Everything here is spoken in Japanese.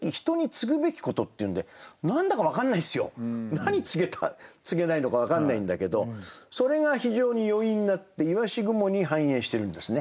何告げた告げないのか分かんないんだけどそれが非常に余韻になって鰯雲に反映してるんですね。